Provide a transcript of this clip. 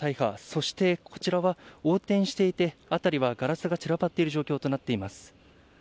そしてこちらは横転していて辺りはガラスが散らばっている状況となっています。